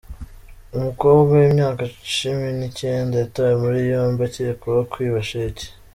Umukobwa w’imyaka cimi nikenda yatawe muri yombi akekwaho kwiba sheki